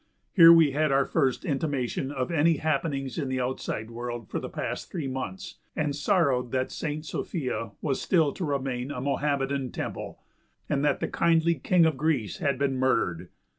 Here we had our first intimation of any happenings in the outside world for the past three months and sorrowed that Saint Sophia was still to remain a Mohammedan temple, and that the kindly King of Greece had been murdered.